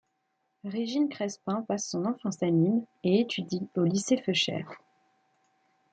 Régine Crespin passe son enfance à Nîmes et étudie au lycée Feuchères.